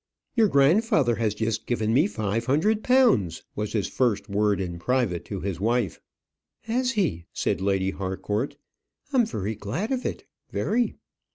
"Your grandfather has just given me five hundred pounds," was his first word in private to his wife. "Has he?" said Lady Harcourt, "I'm very glad of it; very."